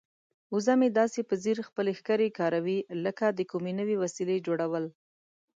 وزه مې داسې په ځیر خپلې ښکرې کاروي لکه د کومې نوې وسیلې جوړول.